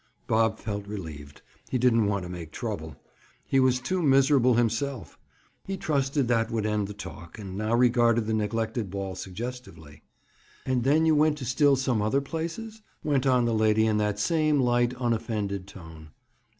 Bob felt relieved. He didn't want to make trouble. He was too miserable himself. He trusted that would end the talk and now regarded the neglected ball suggestively. "And then you went to still some other places?" went on the lady in that same light, unoffended tone.